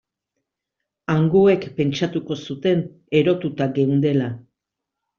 Hangoek pentsatuko zuten erotuta geundela.